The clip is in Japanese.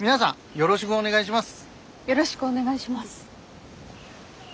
よろしくお願いします。